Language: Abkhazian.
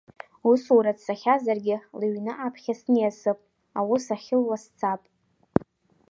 Усура дцахьазаргьы, лыҩны аԥхьа сниасып, аус ахьылуа сцап…